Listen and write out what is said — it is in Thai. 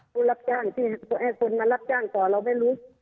ผู้รับจ้างที่ให้คนมารับจ้างต่อเราไม่รู้